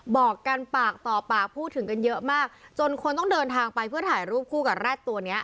บอกกันปากต่อปากพูดถึงกันเยอะมากจนคนต้องเดินทางไปเพื่อถ่ายรูปคู่กับแร็ดตัวเนี้ย